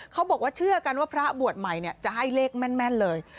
เขาบอกว่าเชื่อกันว่าพระบวชใหม่จะให้เลขแม่นเลย